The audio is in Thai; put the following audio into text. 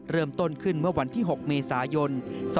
เริ่มต้นขึ้นเมื่อวันที่๖เมษายน๒๕๖